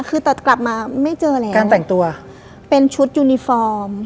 คือแต่กลับมาไม่เจอแล้วการแต่งตัวเป็นชุดยูนิฟอร์ม